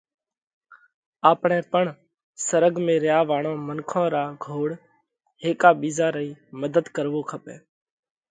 آپڻئہ پڻ سرڳ ۾ ريا واۯون منکون را گھوڙهيڪا ٻِيزا رئي مڌت ڪروو کپئہ